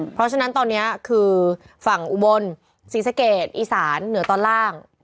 เพราะฉะนั้นตอนนี้คือฝั่งอุบลศรีสะเกดอีสานเหนือตอนล่าง